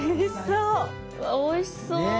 うわおいしそ。ね！